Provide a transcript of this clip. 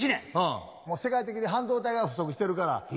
もう世界的に半導体が不足してるから。